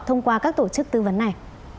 thông qua các tổ chức tư vấn này